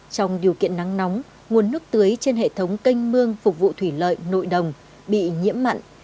trong điều kiện nắng nóng nguồn nước tưới trên hệ thống canh mương phục vụ thủy lợi nội đồng bị nhiễm mặn